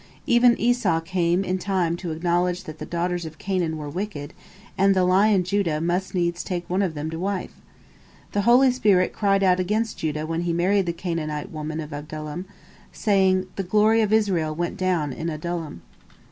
Even Esau came in time to acknowledge that the daughters of Canaan were wicked, and the lion Judah must needs take one of them to wife. The holy spirit cried out against Judah when he married the Canaanite woman of Adullam, saying, "The glory of Israel went down in Adullam."